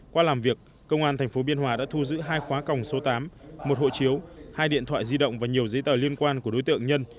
qua làm việc công an tp biên hòa đã thu giữ hai khóa còng số tám một hộ chiếu hai điện thoại di động và nhiều giấy tờ liên quan của đối tượng nhân